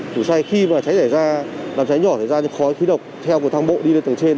ngủ say khi cháy chảy ra làm cháy nhỏ chảy ra khói khí độc theo một thang bộ đi lên tầng trên